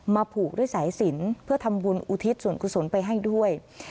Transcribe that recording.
ผูกด้วยสายสินเพื่อทำบุญอุทิศส่วนกุศลไปให้ด้วย